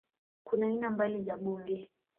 Kuna aina mbili za bunge